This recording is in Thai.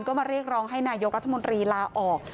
ก็มาเรียกร้องให้นายกรัฐมนตรีลาออก